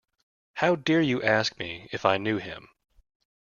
How dare you ask me if I knew him?